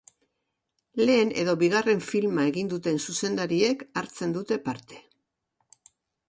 Lehen edo bigarren filma egin duten zuzendariek hartzen dute parte.